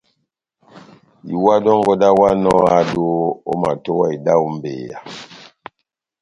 Iwa dɔngɔ dáháwanɔ ó ehádo, omatowa ida ó mbeyá.